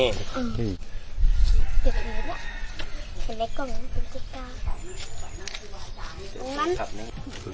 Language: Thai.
อันนี้